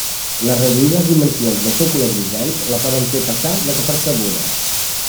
Les reduïdes dimensions i el seu color grisenc la poden fer passar desapercebuda.